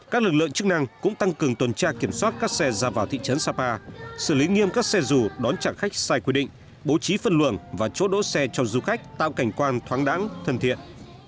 các lực lượng chức năng cũng tăng cường tuần tra kiểm soát các xe ra vào thị trấn sapa xử lý nghiêm các xe dù đón trả khách sai quy định bố trí phân luồng và chốt đỗ xe cho du khách tạo cảnh quan thoáng đáng thân thiện